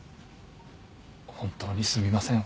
本当にすみません。